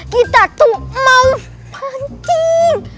kita tuh mau pancing